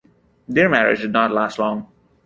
Their marriage did not last long.